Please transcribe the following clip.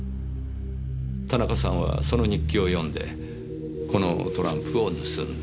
田中さんはその日記を読んでこのトランプを盗んだ。